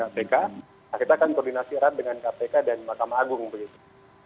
nah kita akan koordinasi erat dengan kpk dan mahkamah agung begitu